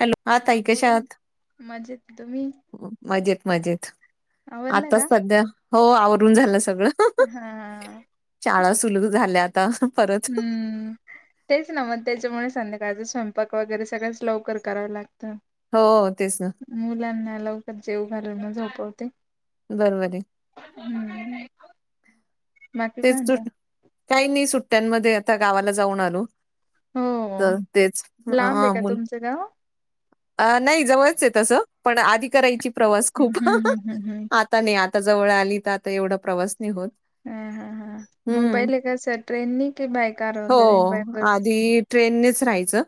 Hello! हा ताई [inaudible] कशा बोोलला आहात? ना मजेत तुम्ही. मजेत, मजेत आवरला आताच का सध्या हो आवरून झालं सगळं. हा. शाळा सुरू झाल्या आता परत. हम्म तेच ना मग त्याच्यामुळे संध्याकाळचा स्वयंपाक वगैरे सगळंच लवकर करावं लागतं. हो तेच ना. मुलांना लवकर जेव घरून झोपवते. बरबर आहे. [unintelligible] [inaudible] हम्म. बाकी काय तेच म्हणता काही नाही सुट्ट्यांमध्ये आता गावाला जाऊन आलो. हो तर तेच लांब ह मुल. [unintelligible] [inaudible] का? अ नाही जवळच आहे. तसं पण आधी करायची प्रवास हम्म खूप आ हम्म हम्म हम्म आता नाही आता जवळ आली तर आता एवढा प्रवास नाही होत. हा, हा, हा मग हम्म पहिले कसं ट्रेननी की बाय कार वगैरे, बाय बस. ट्रेन नच राहायचं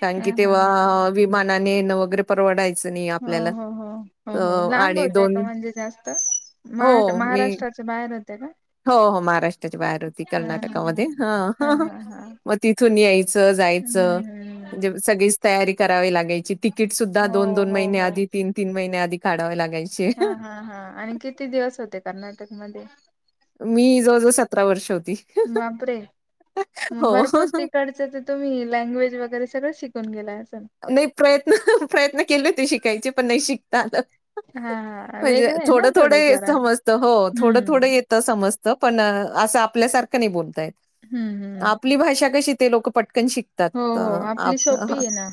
कारण हा की हा तेव्हा हा विमानाने वगैरे. परवडायचं नाही हो, आपल्याला हो, हो, अ, हो, हो लांब आणि होतय का म्हणजे जास्त. [inaudible] म हो, मी महाराष्ट्राचे बाहेर [inaudible] होते का. हो हो महाराष्ट्राच्या बाहेर होती हा हा कर्नाटकामध्ये हा हा ह हा हा मग तिथून यायचं, जायचं म्हणजे हम्म सगळीच तयारी करावी लागायची. तिकीट सुद्धा हो दोन दोन हो महिने, हो आधी तीन तीन महिने आधी काढावे लागायचे. हा हा हा आणि कि. किती दिवस होते कर्नाटकमध्येध्ये. मी जवळजवळ सतरा वर्ष होती. बापरे म भरपूर हो. तिकड. तुम्ही लँग्वेज वगैरे सगळं शिकून [inaudible] गेय असेल. नाही प्रयत्न- प्रयत्न केले ते शिकायचे, पण नाही शिकता आलं. हा हा म्हणजे वेगळं आहे ना थोडं -थोडं ये जरा समजतं, हो थोडं हम्म -थोड ये फक्त समजत पण अ असं आपल्यासारखं नाही बोलता येत. हम्म -हम्, आपली भाषा कशी ते लोक पटकन शिकतात, हो अं आपली आप सोपी आहे ना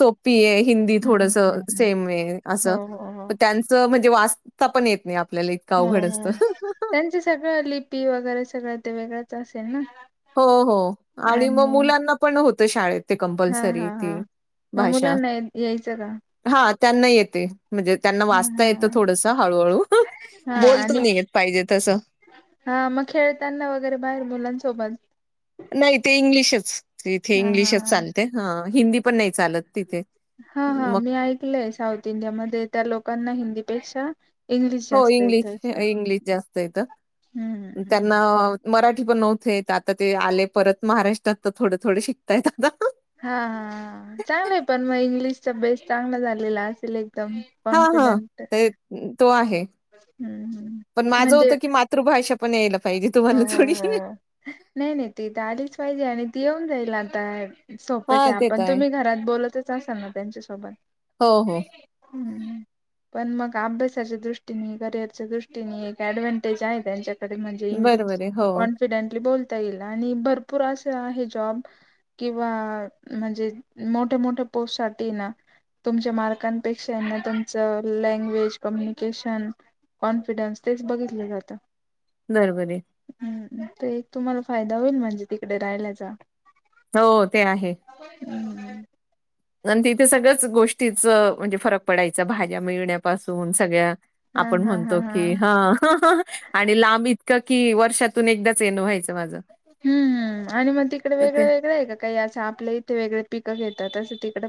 सोपी ये हिंदी हम्म थोडस हम्म हम्म सेम ये हो असं हो हो त्यांच म्हणजे वाचता पण येत नाही आपल्याला, इतकं अवघड असत. ते सगळं लिपी वगैरे सगळं ते वेगळंच असेल ना? हो- हो आणि मग मुलांना पण होतं शाळेत ते हा कंपल्सरी हा हा ती मग भाषा मुलांना यायचं का हा त्यांना येते. म्हणजे त्यांना हा वाचता येतं हा थोडसं हळू-हळू हा बोलत आणि नाही येत पाहिजे तसं. हा मग खेळताना वगैरे बाहेर मुलांसोबत नाही ते इंग्लिशच तिथे हा हा इंग्लिशच हा चालते, हा हिंदी पण नाही चालत तिथे. हा -हा मग मी ऐकलंय साऊथ इंडिया मध्ये त्या लोकांना हिंदी पेक्षा हो इंग्लिश, इंग्लिश जास्त येत, हम्म हम्म. त्यांना मराठी पण नव्हतं येतं, आता ते आले परत महाराष्ट्रात तर थोडे- थोडे शिकतायात आता. हा -हा चांगलंय पण मग इंग्लिशचा बेस चांगला झालेला असेल एकदम. हा -हा, कॉन्फिडंट ते तो आहे हम्म हम्म. पण माझं म्हणजे होतं की मात मातृभाषा पण यायला पाहिजे हो तुम्हाला हो थोडीशी. हो नाही -नाही ती त आलीच पाहिजे, आणि ती येऊन जाईल आता. सोपेच हा आहे ते तर आपण तुम्ही घरात बोलतचः असाल ना त्यांच्यासोबत? हो हो नही-नही हम्म, पण मग अभ्यासाच्या दृष्टीने, करिअरच्या दृष्टीने, एक ऍडव्हनटेज आहे त्यांच्याकडे म्हणजे बरोबर आहे हो कन्फिडेंटली बोलता येईल, आणि भरपूर आशे आहे जॉब किंवा म्हणजे मोठ्या- मोठ्या पोस्टसाठी ना तुमच्या मार्कांनपेक्षा ना तुमचं लँग्वेज कम्युनिकेशन कॉन्फिडन्स् तेच बघितलं जात. बरोबर ये. हम्म, ते एक तुम्हाला फायदा होईल म्हणजे तिकडे राहिल्याचा. हो ते आहे. हम्म आन् तिथे तथे सगळंच गोष्टीचं म्हणजे फरक पडायच भाज्या मिळण्यापासून सगळ्या हा आपण हा हा म्हणतो की हा, हा अं, हा आणि लांब इतकं की वर्षातून एकदाच येणं व्हायचं माझं. हम्म, आणि म तिकडे तर ते वेगळं -वेगळं ये का काही असं आपल्या इथे वेगळे पिकं घेतात असं तिकडं?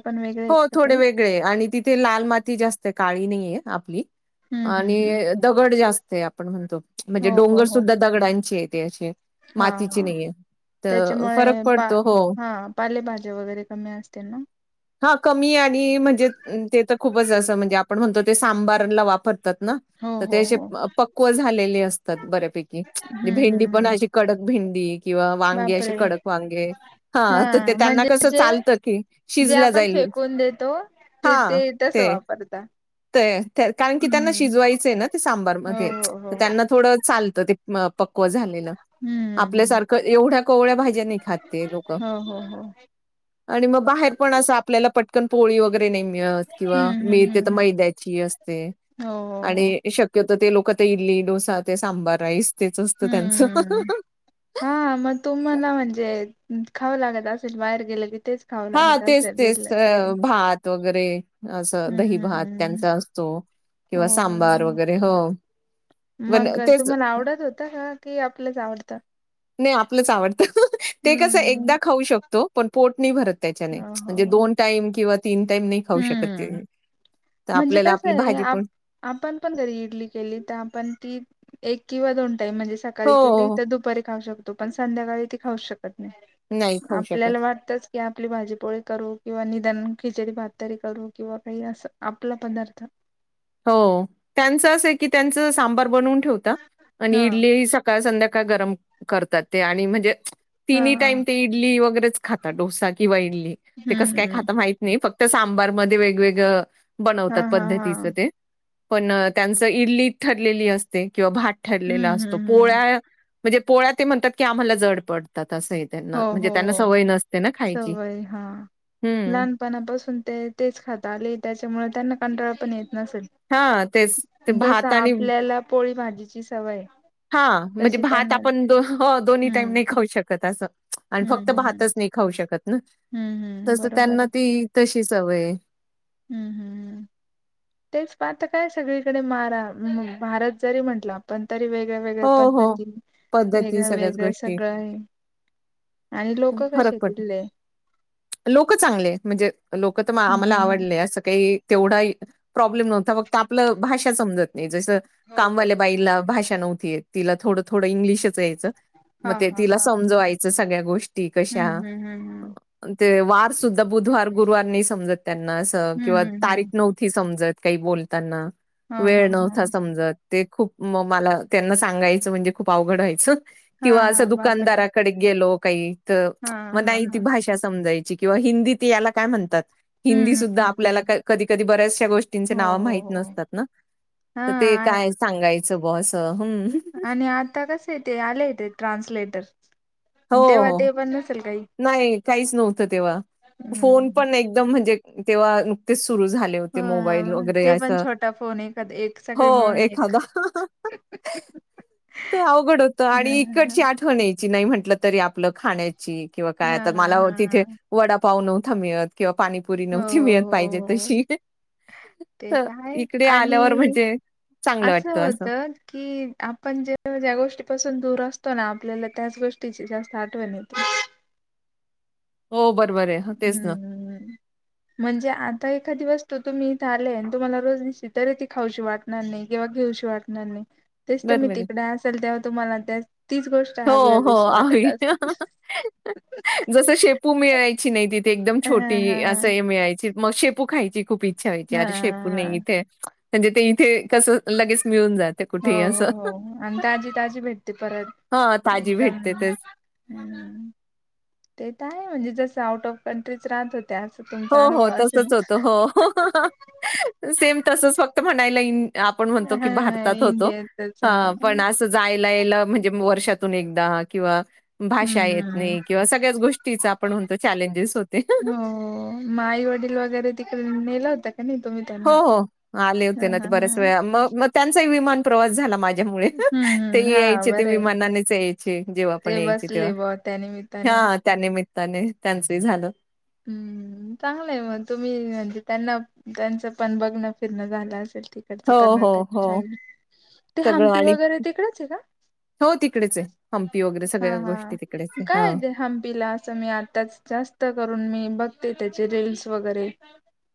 हो थोडे वेगळे आणि तिथे लाल माती जास्त आहे, काळी नाही ये आपली'' हम्म आणि हम्म हम्म दगड जास्त आहे, आपण म्हणतो म्हणजे हो हो डोंगर हो सुद्धा दगडांचे ये ते अशे हा मातीचे हा नही ये, तर फरक त्याच्यामुळे पा पडतो हो हा पालेभाज्या वगैरे कमी असतील ना? हा कमी आणि म्हणजे ते तर खूपच असं म्हणजे आपण म्हणतो ते सांबारला वापरतात ना हो तर हो तेे हो. पक्व झालेले असतात बऱ्यापैकी, हम्म भेंडी हम्म पण हम्म अशी कडक भेंडी किंवा वांगे अशे बापरे कडक वांगे, हा तर ते त्यांना म्हणजे कसं जे चालतं की जे शिजल्या आपण जाईल फेकून देतो ते- ते तसं वापरता. ते कारण की त्यांना हम्म. शिजवायचंय ना ते सांबार हो मध्ये त हो हो त्यांना थोडं चालतं ते. म पक्व झालेलं हम्म हम्म हम्म. आपल्यासारखं एवढ्या कोवळ्या भाज्या नाही खात लोक. हो हो हो. आणि मग बाहेर पण असं आपल्याला पटकन पोळी वगैरे नाही मिळत किंवा हम्म हम्म मिळते हम्म. मैद्याची असते हो हो हो आणि श कि ते लोकं ते इडली डोसा, ते सांबार राईस तेच असतं त्यांचं. हम्म हा, मग तुम्हाला म्हणजे खावं लागतं असेल बाहेर गेलं तेच. खावं हा लागत तेच- असेल तेच तिथल्या तिथे भात वगैरे, असं हम्म हम्म दही-भात हम्म. त्यांचा असतो. हो किंवा हो सांबार वगैरे हो. पण मग तेच तुम्हाला आवडत होत का, की आपलंच आवडतं? नाही आपलंच आवडत, ते कसं हम्म एकदा खाऊ शक तो. पण पोट नाही भरत त्याच्याने हो हो म्हणजे हो दोन टाईम किंवा तीन टाईम नाही खाऊ शकत ते, हम्म तर म्हणजे आपल्याला कसं आपली आहे भाजी आप पण आपण पण घरी इडली केली तर आपण ती, एक किंवा दोन टाईम म्हणजे स हो सकाळी हो केली, हो. तर दुपारी खाऊ शकतो पण संध्याकाळी ती खाऊ शकत नाही. नाही खाऊ शकत. आपल्याला वाटतच की आपली भाजीपोळी करू किंवा निदान खिचडी भात तरी करू किंवा काही असं, आपला पदार्थ हो, त्यांच असं आहे की त्यांच सांबार बनवून ठेवता, आणि हा इडली स काळ संध्याकाळ गरम करतात ते, आणि म्हणजे हा तिनी हा टाईम ती इडली वगैरेच खाता, डोसा किंवा इडली ते कस हम्म काय हम्म खात माहीत नयी फक्त सांबारमध्ये वेगवेगळं हा बनवतात हा हा पद्धतीचं ते पण, त्यांचं इडली ठरलेली असते किंवा भात ठरलेला हम्म असतो. हम्म हम्म पोळ्या म्हणजे पोळ्या ते म्हणतात की आम्हाला जड पडतात असं असयं. हो त्यांना, म्हणजे हो त्यांना हो सवय नसते ना खायची. हम्म. पणापासून ते तेच खात आले, त्याच्यामुळे त्यांना कंटाळा पण येत नसेल. हां, तेच ते जस भात आणि आपल्याला पोळी भाजीची सवय हां, म्हणजे तशी भात त्यांना आपण दो, हो दोन्ही टाईम हम्म नाही खाऊ शकत असं. आणि फक्त हम्म हम्म हम्म भातचं नाही खाऊ शकत ना, हम्म हम्म तस त्यांना बरोबरच ती तशी सवय हेय. हम्म. हम्म हम्म तेच पाहता काय सगळीकडे मारा, महाराज जरी म्हटला पण तरी वेगळ्या- वेगळ्या हो, हो. पद्धती, पद्धती वेगळ्या- सगळ्याच वेगळ गोष्टी सगळं हाय. आणि लोक कशे तिथले? लोक चांगले आहेत, म्हणजे लोक तर हम्म आम्हाला हम्म हम्म. आवडले असं काही तेवढा ही, प्रॉब्लेम नव्हता, फक्त आपलं भाषा समजत नाही, जसं हो हो कामवाल्या बाईला भाषा नव्हती येत, तिला थोडं -थोडं इंग्लिशच यायचं. हा मग ते हा तिला हा समजवायचं सगळ्या गोष्टी कशा हम्म हम्म हम्म ते वार सुद्धा बुधवार, गुरुवार नाही समजत त्यांना असं, हम्म हम्म किंवा हम्म तारीख हम्म नव्ह- समजत काही बोलताना, हा हा वेळ नव्हता हा समजत, ते खूप म, मला त्यांना सांगायचं म्हणजे खूप अवघड व्हायचं हा किंवा असं हा बापरे दुकानदाराकडे गेलो, काही त, हा मग हा नाही ती हा भाषा समजायची किंवा हिंदीत याला काय म्हणतात. हिंदी हम्म सुुद्धा हम्म हम्म आपल्याला हम्म क, कधी-कधी बऱ्याचश्या गोष्टींचे हो नाव हो माहित हो नसतात ना. हा तर ते आ- काय सांगायचं ब असं हम्म. आणि आता कसे ते आलयं ते ट्रान्सलेटर. हो, तेव्हा हो ते पण नसेल काही नाही काहीच नव्हतं तेव्हा, फोन हम्म पण एकदम म्हणजे तेंव्हा नुकतीच सुरू झाले. होते. मोबाईल हा, वगैरे ते पण असं, छोटा फोन एखाद एक हो सगळे मिळून एखादा. एक थोड अवघड होत आणि हां, हां, इकडची आठवण येई- नाही म्हंटलं तरी आपलं खाण्याची किंवा काय हां, आता हां, मला [unintelligible] तिथे- हां. वडापाव नव्हता मिळत किंवा पाणीपुरी हो, नव्हती मिळत, हो, पाहिजे हो. तशी- ते तर काय इकडे आल्यावर आणि म्हणजे चांगलं असं वाटतं होत की- आपण जे ज्या गोष्टीपासून दूर असतो ना, आपल्याला त्याच गोष्टीची जास्त आठवण येते. - हो बरोबर आहे. - हम्म हम्म हम्म- म्हणजे आता एखादा दिवस तुम्ही इथे आलेय आणि तुम्हाला रोज दिसली तरी खाऊशी वाटणार नाही किंवा घेऊशी वाटणार- वाटणार नाही तेच तुम्ही बरोबर आहे. तिकडे असालं तेव्हा तुम्हाला त्या तीच गोष्ट- हो हवी हो हवीशी वाटत आहे असेल. जसं शेपू मिळायची नाही तिथे- ते एकदम हां, छोटी हां, हां. असं मिळायची मग शेपू खायची खूप इच्छा व्हायची, हां, अरे शेपू हां. नाही इथे- म्हणजे ते इथे कसं लगेच मिळून जात. - हां हो हो आणि ताजी ताजी भेटते परत. - हां ताजी भेटते तेचं - ते तर आहे म्हणजे जसं आउट ऑफ कंट्रीच राहतात - त्याच पण- हो हो तसचं होतं हो सेम तसचं फक्त म्हणायला- आपण म्हणतो की हा हा भारतात होतो इंडियातच हा पण असचं - जायला यायला म्हणजे मग वर्षातून एकदा किंवा- भाषा हम्म येत हम्म नाही किंवा सगळ्याचं गोष्टीचा आपण म्हणतो चॅलेंजस होते. - हो मग आई वडील वगैरे तिकडे नेल होता की नाही तुम्ही त्यांना- हो हो आले होते हा ना हा ते हा बऱ्याच वेळा मग मग त्यांचाही विमान प्रवास झाला माझ्या- मुळे हम्म ते हम्म हा यायचे ते बरं आहे विमानानेचं यायचे जेव्हा पण ते यायचे तेव्हा बसले ब त्या निमित्ताने हा- त्या निमित्ताने त्यांचंही झालं. - [inaudible] हम्म चांगलंय मग. तुम्ही म्हणजे त्यांना, त्यांचं पण बघणं-फिरणं झालं असेल तिकडे ड हो, हो, कर्नाटक हो. साईड, ते सगळं हंपी आणि वगैरे तिकडच आहे का? हो तिकडेच आहे. हंपी वगैरे हा.. सगळ्या हा. गोष्टी तिकडेच आहे. काय हां. ते हंपीला? असं मी आ त्याचे जास्त करून, मी बघते त्याचे रील्स वगैरे.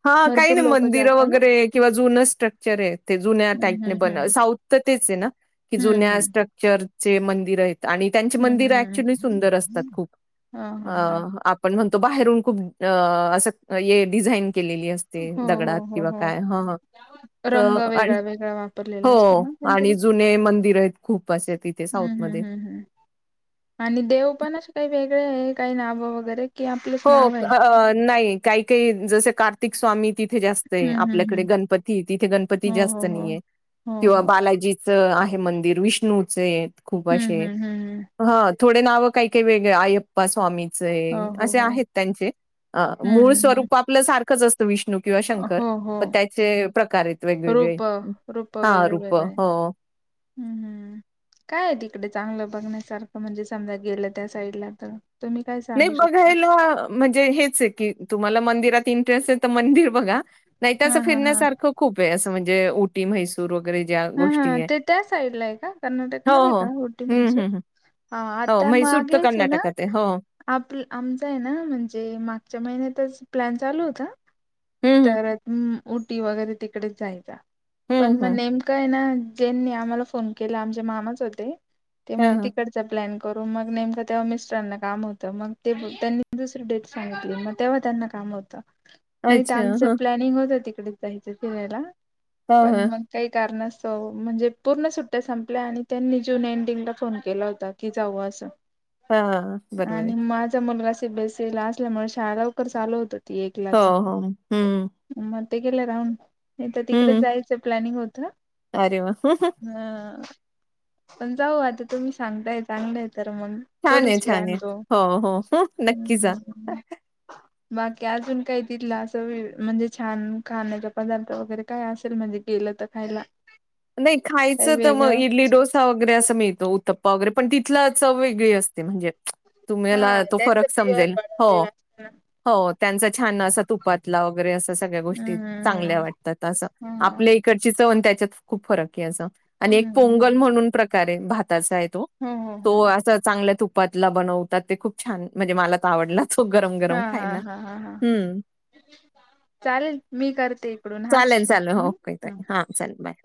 हा काही भरपूर नाही, लोक मंदिरं जाता ना वगैरे किंवा जुनं स्ट्रक्चर आहे. ते जुन्या हम्म टाईपने हम्म बन साऊथ तर तेचं आहे ना? की हम्म जुन्या स्ट्रक्चरचे मंदिरं आहेत आणि त्यांचे हम्म हम्म मंदिर हम्म अक्चूली सुंदर असतात खूप, ह ह ह अं.. आप पण म्हणतो बाहेरून खूप अं.. असं, ये डिझाईन केलेली असते. ते हो हो दगडात हो किंवा हो काय, हं.. हं रंग तर आणि, वेगळा वेगळा वापरलेला हो असतो ना आणि कोणतरी जुने मंदिरं आहेत खूप. [unintelligible] आहे, तिथे साऊथ हम्म हम्म मध्ये. हम्म हम्म आणि, देव पण असे काही वेगळे आहे? काही नाव वगैरे? कि आपलंच हो, नाव आहे. नाही काही काही जसे कार्तिक स्वामी तिथे जास्त आहे. हम्म हम्म आपल्याकडे हम्म गणपती, तिथे गणपती हो जास्त हो हो नाहीये. हो किंवा हो बालाजी च आहे मंदिर, विष्णूचे आहेत खूप हम्म असे. हम्म हम्म हम्म. हा, थोडे नावं काही काही वेगळे, आयप्पा स्वामीचे हो आहे. हो असे हो आहेत त्यांचे. अं.. हम्म मूळ हम्म हम्म स्वरूप आपल सारख खच असतं विष्णू किंवा शंकर, हो हो पण त्याचे प्रकार आहेत वेगवेगळे. रूप रूप हा, वेगळे रूपं. वेगळे हो. हम्म हम्म [inaudible] काय आहे तिकडे चांगलं बघण्यासारखं? म्हणजे समजा गेलं त्या साईडला तर. तुम्ही काय नाही सांगू शकता बघायला म्हणजे हेच आहे की, तुम्हाला मंदिरात इंटरेस्ट आहे तर मंदिर बघा नाहीतर अस हा हा हा फिरण्यासारखं खूप आहे, असं म्हणजे उट उटी, म्हैसूर वगैरे ज्या हा हा गोष्टी आहे, ते त्या साईडला आहे का कर्नाटक हो मध्ये हो का उटी हम्म म्हैसूर हं ह हा हो, म्हैसूर तर कर्नाटकात हाय हो. आपलं आमच आहे ना, म्हणजे मागच्या महिन्यातच प्लॅन चालू होता हं, हं. तर अम उटी वगैरे तिकडेच जायचा, पण हं, मग हं. नेम काय आहे ना, ज्यांनी आम्हाला फोन केला आमचे मामाच होते, ते हां, म्हणे हां. तिकड च प्लॅन करू, मग नेमकं तेव्हा मिस्टरांना काम होतं, मग ते त्यांनी दुसरी डेट सांगितली, मग तेव्हा त्यांना काम होतं. [inaudible] नाही तर आमचं हं. प्लॅनिंग होतं तिकडेच जायचं फिरायला, हां, पण हां. मग काही कारणास्तव, म्हणजे पूर्ण सुट्ट्या संपल्या आणि त्यांनी जून एंडिंगला फोन केला होता. की जाऊ असं, हां, हां. बरोबर आहे. आणि माझा मुलगा सी बी एस सी ला असल्यामुळे, शाळा लवकर चालू होत होती हो, एकलाच. हो. हं, मग ते गेलं राहून, नाही तर तिकडे हं. जायचं प्लॅनिंग होतं. अरे वाह! हा. पण जाऊ आता, तुम्ही सांगताय चांगलय तर मंग. छान आहे, छान आहे, हो हो हो नक्की जा. बाकी अजून काही तिथलं असं वे म्हणजे छान खाण्याचा पदार्थ वगैरे काय असेल, म्हणजे गेलं तर खायला. नाही, काही खायचं तर मग वेगळं. इडली डोस सा वगैरे असं मिळतो, उतप्पा वगैरे, पण तिथलं चव वेगळी असते, म्हणजे हा तुम्हाला तो त्यांचं फरक प्युअर समजेल, हो. बनवलेलं असतं ना. हो, त्यांचा छान असा तुपातला वगैरे असं सगळ्या गोष्टीत चांगल्या हम्म वाटतात अस, हम्म आपले इकडची चव अनं त्याच्यात, खूप फरक आहे असं, आणि एक पोंगल म्हणून प्रकार आहे भाताचा आहे तो. हो हो हो तो अस चांगल्या तुपातला बनवतात, ते खूप छान म्हणजे मला तर आवडला खूप हा गरम-गरम हा खायला, हा हा हा हम्म. चालेल मी करते इकडून हाच चालेल चालेल हो ओके ताई हम्म. हा चालेल बाय.